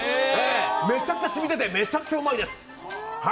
めちゃくちゃ染みててめちゃくちゃおいしいです。